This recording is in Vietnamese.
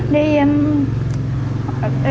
đi bậc họ đó